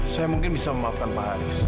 saya mungkin bisa memaafkan pak haris